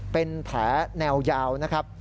เป็นแผลแนวยาวนะครับ